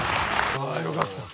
あよかった。